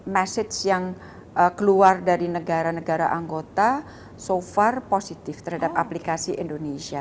message yang keluar dari negara negara anggota so far positif terhadap aplikasi indonesia